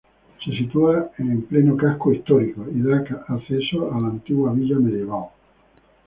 Se sitúa en pleno Casco Histórico, y da acceso a la antigua villa medieval.